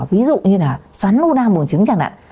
ví dụ như là xoắn u năng buồng trứng chẳng hạn